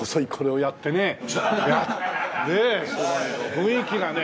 雰囲気がねえ。